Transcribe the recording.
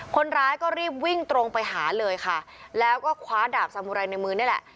คนร้ายก็รีบวิ่งตรงไปหาเลยค่ะแล้วก็คว้าดาบสามุไรในมือนี่แหละ